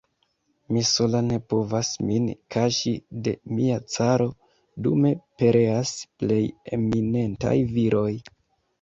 Mi sola ne povas min kaŝi de mia caro, dume pereas plej eminentaj viroj.